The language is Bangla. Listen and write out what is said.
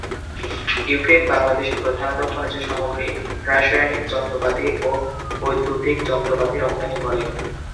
ইউক্রেন বাংলাদেশে প্রধানত খনিজ সামগ্রী, রাসায়নিক, যন্ত্রপাতি ও বৈদ্যুতিক যন্ত্রপাতি রপ্তানি করে।